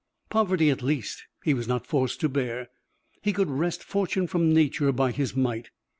Poverty, at least, he was not forced to bear. He could wrest fortune from nature by his might.